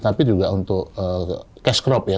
tapi juga untuk cash crop ya